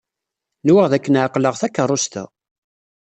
Nwiɣ dakken ɛeqleɣ takeṛṛust-a.